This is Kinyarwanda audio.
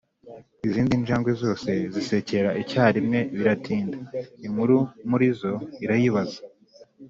Izindi njangwe zose zisekera icyarimwe biratinda. Inkuru muri zo irayibaza